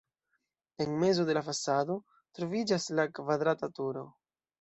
En mezo de la fasado troviĝas la kvadrata turo.